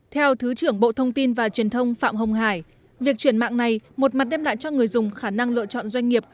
theo thứ trưởng bộ thông tin và truyền thông phạm hồng hải việc chuyển mạng này một mặt đem lại cho người dùng khả năng lựa chọn doanh nghiệp